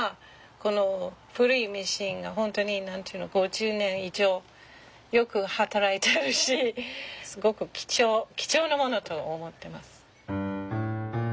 この古いミシンが本当に５０年以上よく働いてるしすごく貴重なものと思ってます。